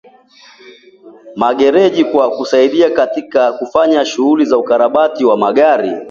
magereji kwa kusaidia katika kufanya shughuli za ukarabati wa magari